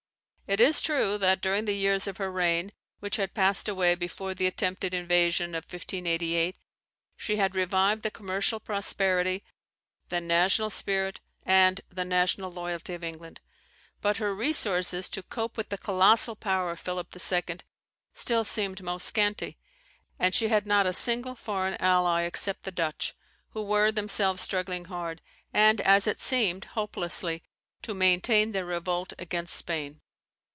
It is true that during the years of her reign which had passed away before the attempted invasion of 1588, she had revived the commercial prosperity, the national spirit, and the national loyalty of England. But her resources, to cope with the colossal power of Philip II., still seemed most scanty; and she had not a single foreign ally, except the Dutch, who were themselves struggling hard, and, as it seemed, hopelessly, to maintain their revolt against Spain.